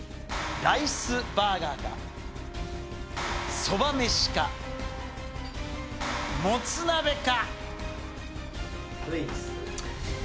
ライスバーガーか、そばめしか、もつ鍋か。